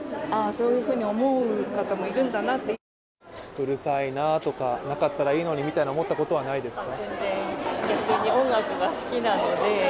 うるさいなとか、なかったらいいのにみたいに思ったことはないですか？